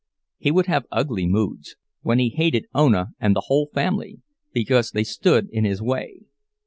He would have ugly moods, when he hated Ona and the whole family, because they stood in his way.